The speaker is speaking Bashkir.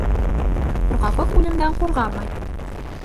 Ҡурҡаҡлыҡ үлемдән ҡурғамай.